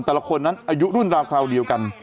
แต่ละคนนั้นอายุรุ่นราวคราวเดียวกัน